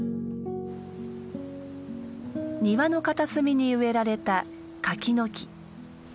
庭の片隅に植えられた柿の木。